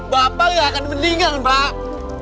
bapak gak akan meninggal mbak